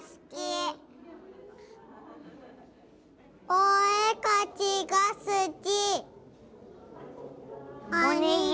おえかきがすき。